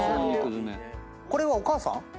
これはお母さん？